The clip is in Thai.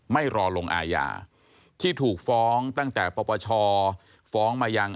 ไม่รอลงอาญาที่ถูกฟ้องตั้งแต่ปปชฟ้องมายัง